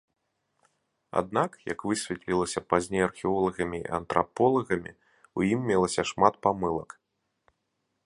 Аднак, як высветлілася пазней археолагамі і антраполагамі, у ім мелася шмат памылак.